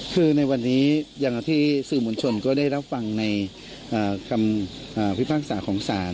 คือในวันนี้อย่างกับที่สื่อมวลชนก็ได้รับฟังภิภาคศาสนของศาล